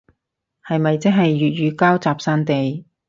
係咪即係粵語膠集散地